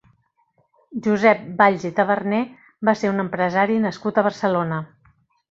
Josep Valls i Taberner va ser un empresari nascut a Barcelona.